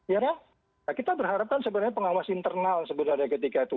ya kita berharapkan sebenarnya pengawas internal sebenarnya ketika itu